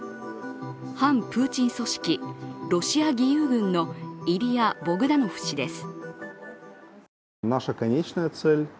反プーチン組織、ロシア義勇軍のイリヤ・ボグダノフ氏です。